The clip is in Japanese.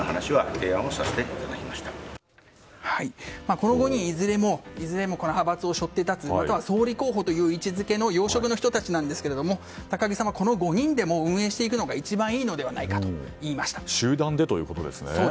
この５人いずれも派閥を背負って立つまたは総理候補という位置づけの要職の人たちですが高木さんはこの５人で運営していくのが集団でということですね。